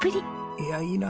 いやいいな。